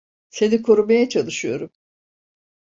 Seni korumaya çalışıyorum.